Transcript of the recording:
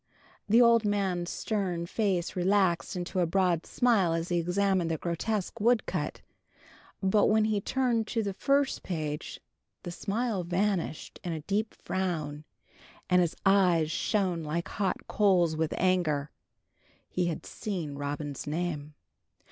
The old man's stern face relaxed into a broad smile as he examined the grotesque woodcut; but when he turned to the first page the smile vanished in a deep frown, and his eyes shone like hot coals with anger. He had seen Robin's name.